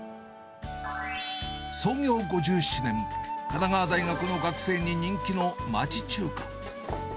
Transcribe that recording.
創業５７年、神奈川大学の学生に人気の町中華。